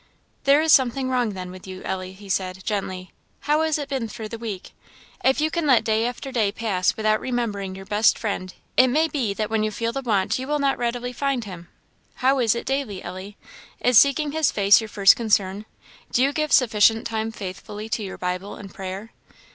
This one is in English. "There is something wrong, then, with you, Ellie," he said, gently. "How has it been through the week? If you can let day after day pass without remembering your best Friend, it may be that when you feel the want you will not readily find Him. How is it daily, Ellie? is seeking his face your first concern? do you give sufficient time faithfully to your Bible and prayer?"